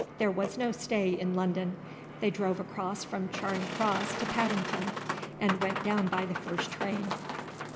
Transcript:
There was no stay in London. They drove across from Charing Cross to Paddington, and went down by the first train.